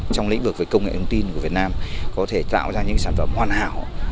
trong lĩnh vực công nghệ ứng tin của việt nam có thể tạo ra những sản phẩm hoàn hảo